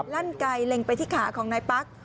ลั่นไกลเล็งไปที่ขาของนายปั๊ก